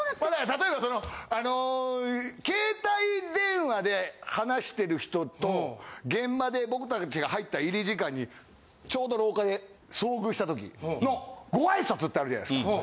例えばそのあの携帯電話で話してる人と現場で僕たちが入った入り時間にちょうど廊下で遭遇した時のご挨拶ってあるじゃないですか。